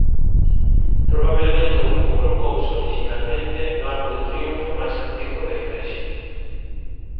Probablemente o grupo colocouse orixinalmente no arco de triunfo máis antigo da igrexa.